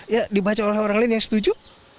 ya dibaca oleh orang lain yang setuju